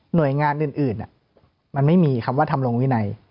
โดยงานอื่นมันไม่มีคำว่าทำลงวินัย